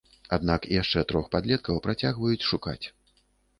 Аднак яшчэ трох падлеткаў працягваюць шукаць.